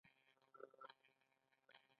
په شپاړس سوه یو شپېتم کال کې ګالیله تلسکوپ کشف کړ